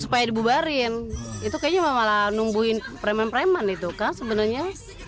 supaya dibubarin itu kayaknya malah nungguin preman preman itu kan sebenarnya